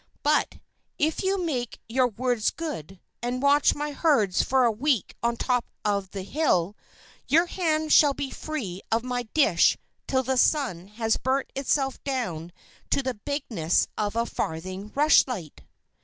But, if you make your words good, and watch my herds for a week on top of the hill, your hand shall be free of my dish till the sun has burnt itself down to the bigness of a farthing rushlight!"